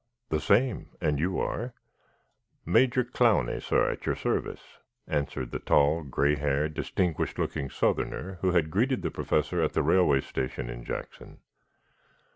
"The same. And you are?" "Major Clowney, sah, at your service," answered the tall, gray haired, distinguished looking southerner who had greeted the Professor at the railway station in Jackson.